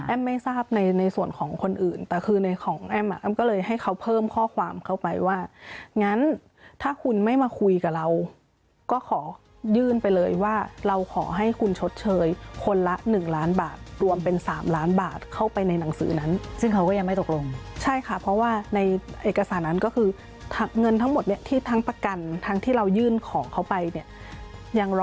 ไม่ทราบในส่วนของคนอื่นแต่คือในของแอ้มอ่ะแอ้มก็เลยให้เขาเพิ่มข้อความเข้าไปว่างั้นถ้าคุณไม่มาคุยกับเราก็ขอยื่นไปเลยว่าเราขอให้คุณชดเชยคนละ๑ล้านบาทรวมเป็น๓ล้านบาทเข้าไปในหนังสือนั้นซึ่งเขาก็ยังไม่ตกลงใช่ค่ะเพราะว่าในเอกสารนั้นก็คือเงินทั้งหมดเนี่ยที่ทั้งประกันทั้งที่เรายื่นของเขาไปเนี่ยยังรอ